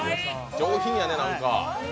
上品やね、なんか。